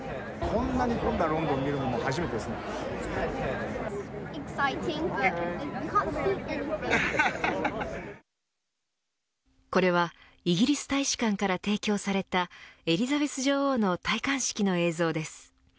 こんなに混んだロンドンをこれはイギリス大使館から提供されたエリザベス女王の戴冠式の映像です。